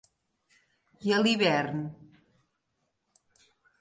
I a l'hivern?